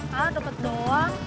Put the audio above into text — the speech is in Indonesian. hah deket doang